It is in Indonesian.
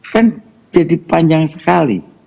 kan jadi panjang sekali